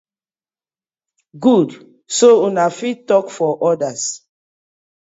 Good so una fit tok for others.